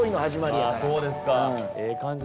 あそうですか。ええ感じ